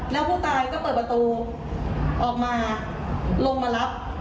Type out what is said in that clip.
แล้วผู้ตายก็เปิดประตูออกมาลงมารับ